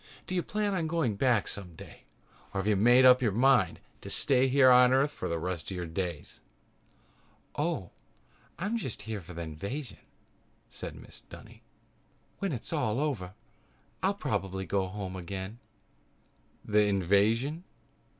"Do you plan on going back someday or have you made up your mind to stay here on Earth for the rest of your days?" "Oh, I'm just here for the invasion," said Mrs. Dunny. "When that's over I'll probably go back home again." "The invasion?"